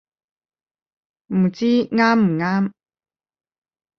唔知啱唔啱